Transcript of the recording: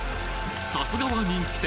さすがは人気店。